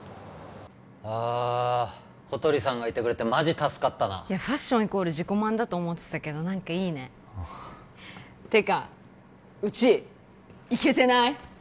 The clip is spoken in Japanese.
あ小鳥さんがいてくれてマジ助かったなファッションイコール自己満だと思ってたけど何かいいねてかうちイケてない？